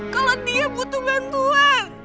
kalau dia butuh bantuan